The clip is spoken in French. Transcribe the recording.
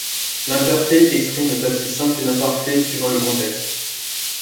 L’imperfet exprime le passé simple et l’imparfait suivant le contexte.